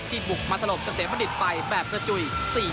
ที่บุกมัตลบเกษตรพนิษฐ์ไฟแบบหน้าจุย๔๐